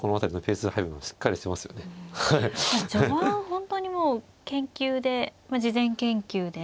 本当にもう研究で事前研究で。